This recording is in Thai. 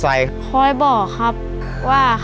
ถูกถูกถูกถูก